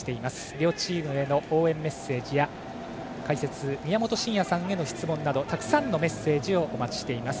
両チームへの応援メッセージや解説、宮本慎也さんへの質問などたくさんのメッセージをお待ちしています。